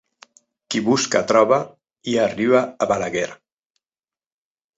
Qui busca troba i arriba a Balaguer.